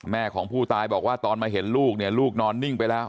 แม่ของผู้ตายบอกว่าตอนมาเห็นลูกเนี่ยลูกนอนนิ่งไปแล้ว